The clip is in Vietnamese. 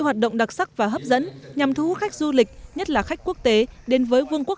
hoạt động đặc sắc và hấp dẫn nhằm thu hút khách du lịch nhất là khách quốc tế đến với vương quốc